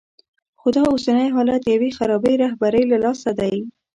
خو دا اوسنی حالت د یوې خرابې رهبرۍ له لاسه دی.